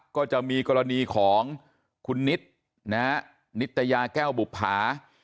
ก็จะมีกรณีของคุณนิตนะฮะนิตยาแก้วบุภา